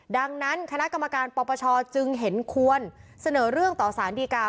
ดังนั้นคณะกรรมการปปชจึงเห็นควรเสนอเรื่องต่อสารดีกา